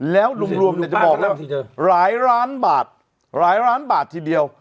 แล้วรวมจะบอกแล้วหลายล้านบาทหลายล้านบาททีเดียว